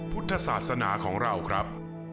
พุทธศาสนาของเราครับ